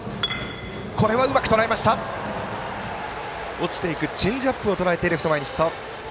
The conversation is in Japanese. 落ちていくチェンジアップをとらえてレフト前にヒット。